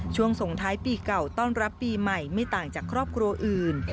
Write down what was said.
ส่งท้ายปีเก่าต้อนรับปีใหม่ไม่ต่างจากครอบครัวอื่น